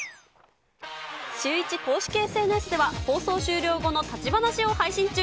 シューイチ公式ＳＮＳでは、放送終了後の立ち話を配信中。